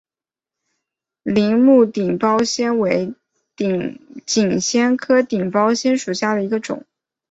铃木顶苞藓为锦藓科顶苞藓属下的一个种。